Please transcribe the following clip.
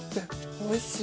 おいしい？